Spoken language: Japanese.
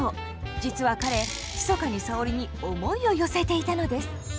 実は彼ひそかに沙織に思いを寄せていたのです。